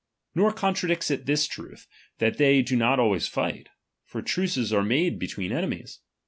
Nor contradicts it this trutli, that they do not always fight : for truces are made between enemies.